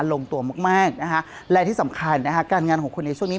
ลงตัวมากมากนะคะและที่สำคัญนะคะการงานของคุณในช่วงนี้